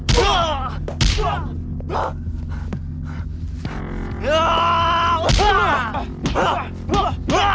bang sudah lah